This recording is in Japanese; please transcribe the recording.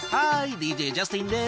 ＤＪジャスティンです。